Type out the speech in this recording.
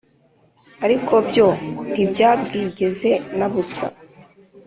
ariko byo, ntibyabwigeze na busa